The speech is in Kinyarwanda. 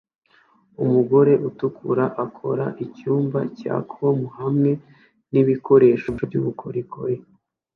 Umugore utukura akora icyumba cya com hamwe nibikoresho byubukorikori